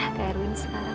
pak erwin apa kabar